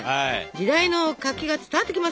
時代の活気が伝わってきますよ。